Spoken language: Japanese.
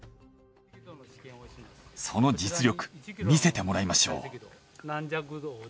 その実力見せてもらいましょう。